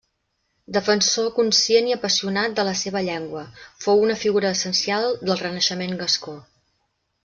Defensor conscient i apassionat de la seva llengua, fou una figura essencial del Renaixement gascó.